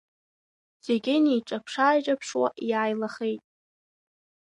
Зегьы неиҿаԥшы-ааиҿаԥшуа иааилахеит.